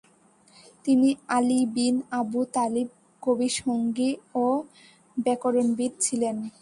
তিনি Ali bin Abu Talib কবি সঙ্গী ও ব্যাকরণবিদ ছিলেন।